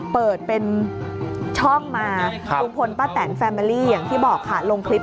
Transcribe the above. เปิดเป็นช่องมาลุงพลป้าแตนแฟเมอรี่อย่างที่บอกค่ะลงคลิป